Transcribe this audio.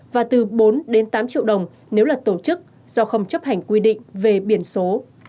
và từ bốn đến tám triệu đồng nếu là tổ chức do không chấp hành quy định về biển số